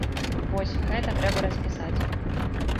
Вось, гэта трэба распісаць.